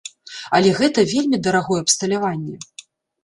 Але гэта вельмі дарагое абсталяванне.